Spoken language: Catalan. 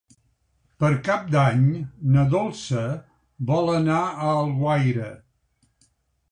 Per Cap d'Any na Dolça vol anar a Alguaire.